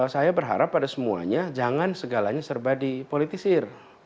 saya berharap pada semuanya jangan segalanya serba dipolitisir